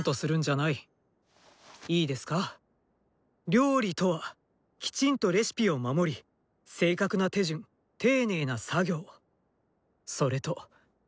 料理とはきちんとレシピを守り正確な手順丁寧な作業それと「気持ち」です。